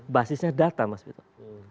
basisnya data mas betul